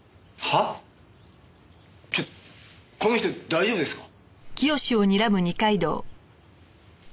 ちょっとこの人大丈夫ですか？